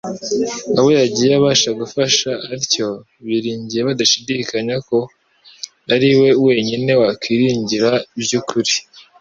Abo yagiye abasha gufasha atyo biringiye badashidikanya ko ari We Wenyine bakwiringira by'ukuri.